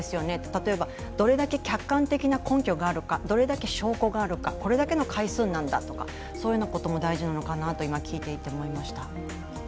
例えばどれだけ客観的な根拠があるかどれだけ証拠があるか、これだけの回数なんだとかそういうようなことも大事なのかなと、今、聞いていて思いました。